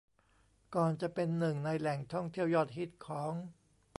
ก่อนจะเป็นหนึ่งในแหล่งท่องเที่ยวยอดฮิตของ